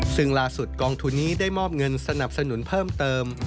ซึ่งล่าสุดกองทุนนี้ได้มอบเงินสนับสนุนเพิ่มเติม